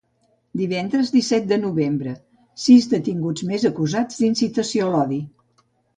Divendres, disset de novembre – Sis detinguts més acusats d’incitació a l’odi.